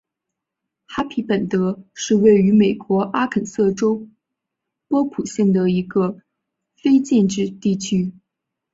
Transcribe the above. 哈皮本德是位于美国阿肯色州波普县的一个非建制地区。